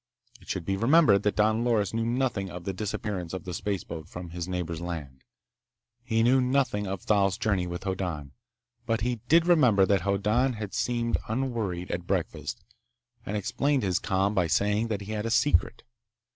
It should be remembered that Don Loris knew nothing of the disappearance of the spaceboat from his neighbor's land. He knew nothing of Thal's journey with Hoddan. But he did remember that Hoddan had seemed unworried at breakfast and explained his calm by saying that he had a secret.